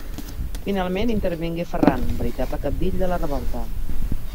Finalment, intervingué Ferran, veritable cabdill de la revolta.